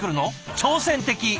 挑戦的！